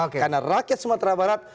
karena rakyat sumatera barat